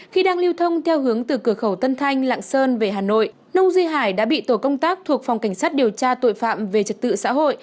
khi đang lưu thông theo hướng từ cửa khẩu tân thanh lạng sơn về hà nội nông duy hải đã bị tổ công tác thuộc phòng cảnh sát điều tra tội phạm về trật tự xã hội